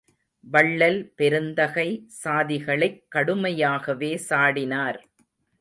வள்ளல் பெருந்தகை சாதிகளைக் கடுமையாகவே சாடினார்.